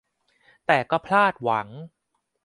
แต่ก็พลาดหวัง